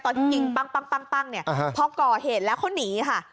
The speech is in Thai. ตอนที่ยิงปั้งเนี่ยพอก่อเหตุแล้วเขาหนีค่ะ